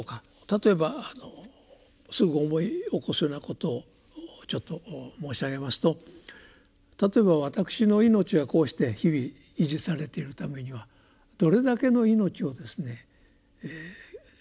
例えばすぐ思い起こすようなことをちょっと申し上げますと例えば私の命がこうして日々維持されてるためにはどれだけの命をですね犠牲にしているか。